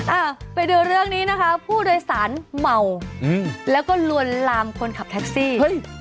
อ่ะไปดูเรื่องนี้นะคะผู้โดยสารเมาอืมแล้วก็ลวนลามคนขับแท็กซี่เฮ้ย